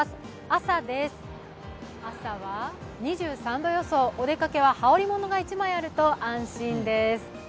朝は２３度予想、お出かけは羽織りものが１枚あると安心です。